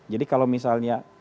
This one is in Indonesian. jadi kalau misalnya